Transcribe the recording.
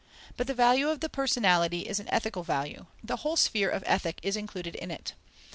But the value of the personality is an ethical value: the whole sphere of ethic is included in it.